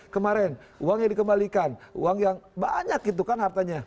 kemarin uangnya dikembalikan uang yang banyak itu kan hartanya